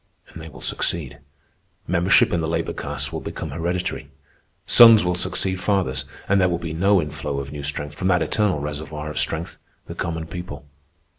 And they will succeed. Membership in the labor castes will become hereditary. Sons will succeed fathers, and there will be no inflow of new strength from that eternal reservoir of strength, the common people.